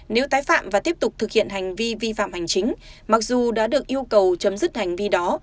nếu tái phạm và tiếp tục thực hiện hành vi vi phạm hành chính mặc dù đã được yêu cầu chấm dứt hành vi đó